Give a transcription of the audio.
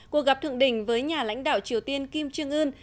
cuộc gặp thượng đỉnh với nhà lãnh đạo triều tiên kim trương ưn